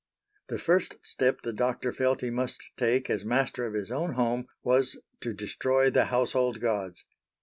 The first step the doctor felt he must take as master of his own home, was to destroy the household gods.